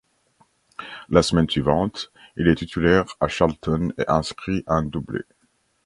La semaine suivante, il est titulaire à Charlton et inscrit un doublé.